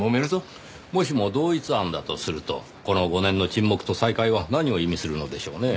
もしも同一犯だとするとこの５年の沈黙と再開は何を意味するのでしょうねぇ。